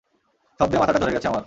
শব্দে মাথাটা ধরে গেছে আমার!